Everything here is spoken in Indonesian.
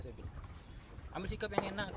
ambil sikap yang enak